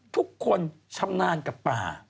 ทุกคนชำนาญกับป่า